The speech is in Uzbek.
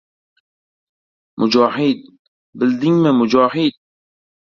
— Mujohid! Bildingmi? Mujohid!